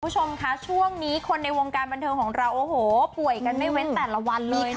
คุณผู้ชมคะช่วงนี้คนในวงการบันเทิงของเราโอ้โหป่วยกันไม่เว้นแต่ละวันเลยค่ะ